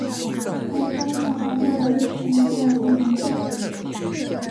海丰城隍庙的历史年代为明代。